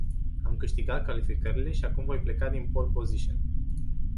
Am câștigat calificările și acum voi pleca din pole position.